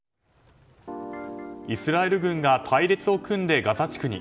イスラエル軍が隊列を組んでガザ地区に。